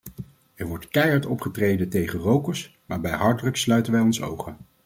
Er wordt keihard opgetreden tegen rokers, maar bij harddrugs sluiten wij onze ogen.